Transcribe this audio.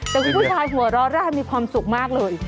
แต่คุณผู้ชายหัวเราะแรกมีความสุขมากเลย